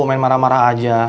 main marah marah aja